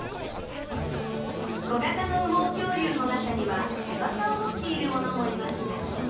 小型の羽毛恐竜の中には翼を持っているものもいました。